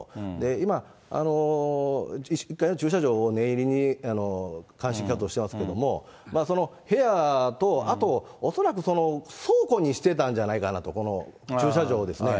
今、１階の駐車場を念入りに鑑識活動をしてますけれども、その部屋とあと、恐らく倉庫にしてたんじゃないかなと、この駐車場をですね。